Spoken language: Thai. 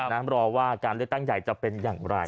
รอว่าการเลือกตั้งใหญ่จะเป็นอย่างไร